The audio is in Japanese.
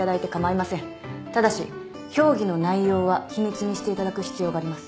ただし評議の内容は秘密にしていただく必要があります。